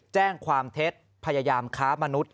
แจ้งความเท็จพยายามค้ามนุษย